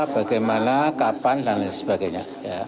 bagaimana kapan dan lain sebagainya